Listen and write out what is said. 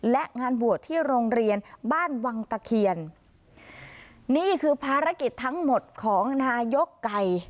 และงานบวชที่โรงเรียนบ้านวังตะเคียนนี่คือภารกิจทั้งหมดของนายกไก่